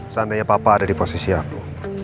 seandainya papa ada di posisi aku